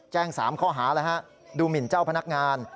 แจ้ง๓ข้อหาดูหมินเจ้าพนักงาน